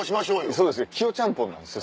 そうですけどキヨちゃんぽんなんですよ。